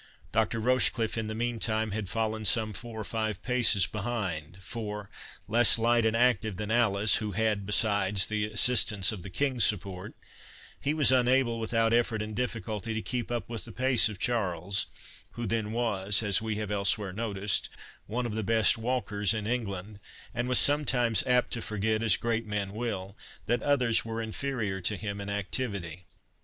Dr. Rochecliffe, in the meantime, had fallen some four or five paces behind; for, less light and active than Alice, (who had, besides, the assistance of the King's support,) he was unable, without effort and difficulty, to keep up with the pace of Charles, who then was, as we have elsewhere noticed, one of the best walkers in England, and was sometimes apt to forget (as great men will) that others were inferior to him in activity.